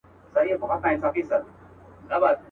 زما جانانه په زړه سخته ستا به هېره که په یاد یم.